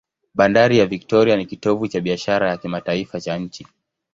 Bandari ya Victoria ni kitovu cha biashara ya kimataifa cha nchi.